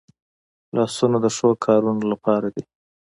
لاسونه د ښو کارونو لپاره دي